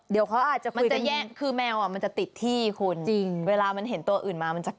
เดี๋ยวเขาอาจจะมันจะแย่งคือแมวอ่ะมันจะติดที่คุณจริงเวลามันเห็นตัวอื่นมามันจะ